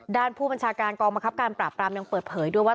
ด้านผู้บัญชาการกองบังคับการปราบปรามยังเปิดเผยด้วยว่า